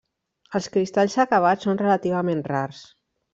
Els cristalls acabats són relativament rars.